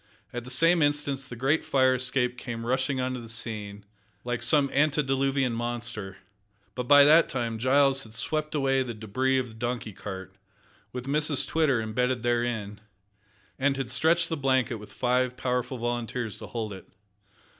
At the same instant the great fire escape came rushing on the scene, like some antediluvian monster, but by that time Giles had swept away the debris of the donkey cart, with Mrs Twitter imbedded therein, and had stretched the blanket with five powerful volunteers to hold it.